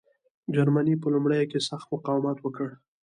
جرمني په لومړیو کې سخت مقاومت وکړ.